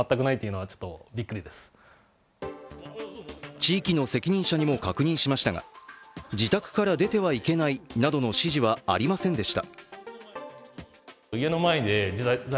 地域の責任者にも確認しましたが、自宅から出てはいけないなどの指示はありませんでした。